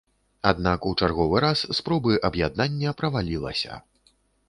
Аднак у чарговы раз спробы аб'яднання правалілася.